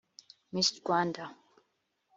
Miss Rwanda